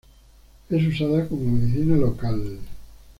Es usada como medicina local.